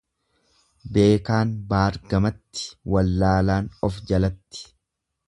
Beekaan baar gamatti, wallaalaan of jalatti.